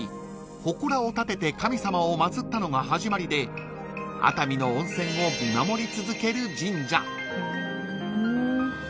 ほこらを建てて神様を祭ったのが始まりで熱海の温泉を見守り続ける神社］